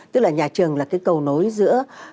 tức là nhà trường là cái cầu nối giữa